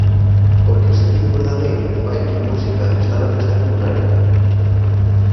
Porque o sentido verdadeiro de baile e música está na festa comunal.